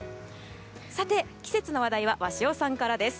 さて、季節の話題は鷲尾さんからです。